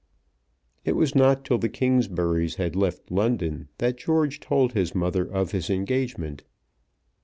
It was not till the Kingsburys had left London that George told his mother of his engagement.